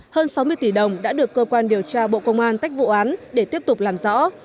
hơn sáu mươi tỷ đồng đã được cơ quan điều tra bộ công an tách vụ án để tiếp tục làm rõ